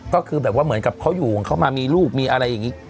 ก็คือแบบว่าเหมือนกับเขาอยู่ของเขามามีลูกมีอะไรอย่างนี้